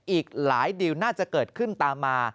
อีกหลายดิวน่าจะเกิดขึ้นตามมา